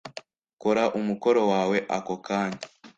kora umukoro wawe ako kanya